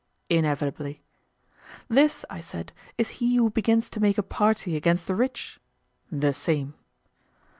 Inevitably. This, I said, is he who begins to make a party against the rich? The same.